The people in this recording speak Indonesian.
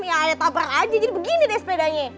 ya saya tabar aja jadi begini deh sepedanya